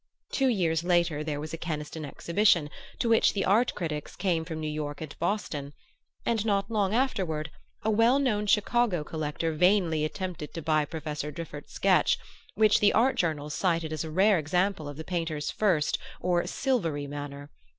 Two years later there was a Keniston exhibition, to which the art critics came from New York and Boston; and not long afterward a well known Chicago collector vainly attempted to buy Professor Driffert's sketch, which the art journals cited as a rare example of the painter's first or silvery manner.